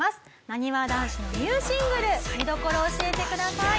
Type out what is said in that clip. なにわ男子のニューシングル見どころを教えてください。